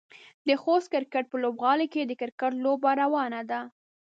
د خوست کرکټ په لوبغالي کې د کرکټ لوبه روانه ده.